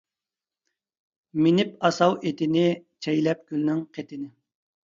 مىنىپ ئاساۋ ئېتىنى، چەيلەپ گۈلنىڭ قېتىنى.